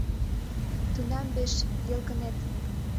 — Тунам пеш йылкынет.